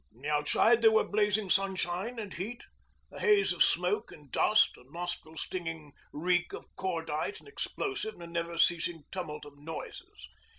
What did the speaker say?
Outside there were blazing sunshine and heat, a haze of smoke and dust, a nostril stinging reek of cordite and explosive, and a never ceasing tumult of noises.